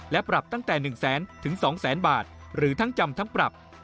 และปรับตั้งแต่๑๐๐๐๐๐๒๐๐๐๐๐บาทหรือทั้งจำทั้งปรับ